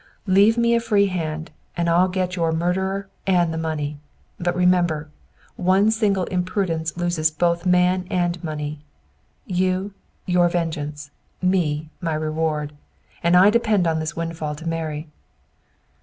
Leave me a free hand, and I'll get your murderer and the money. But remember, one single imprudence loses both man and money; you, your vengeance; me, my reward. And I depend on this windfall to marry!"